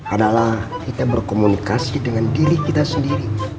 adalah kita berkomunikasi dengan diri kita sendiri